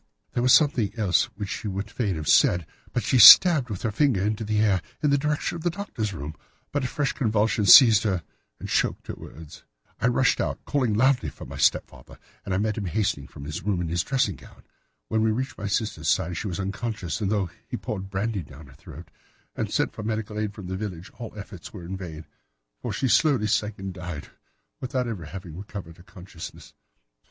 There was something else which she would fain have said, and she stabbed with her finger into the air in the direction of the Doctor's room, but a fresh convulsion seized her and choked her words. I rushed out, calling loudly for my stepfather, and I met him hastening from his room in his dressing gown. When he reached my sister's side she was unconscious, and though he poured brandy down her throat and sent for medical aid from the village, all efforts were in vain, for she slowly sank and died without having recovered her consciousness.